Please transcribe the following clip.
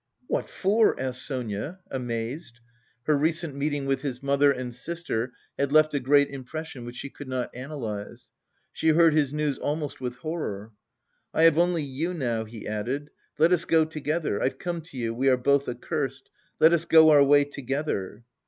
"What for?" asked Sonia amazed. Her recent meeting with his mother and sister had left a great impression which she could not analyse. She heard his news almost with horror. "I have only you now," he added. "Let us go together.... I've come to you, we are both accursed, let us go our way together!"